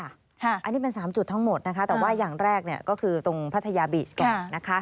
อันนี้เป็น๓จุดทั้งหมดนะคะแต่ว่าอย่างแรกก็คือตรงพัทยาบีชก่อนนะคะ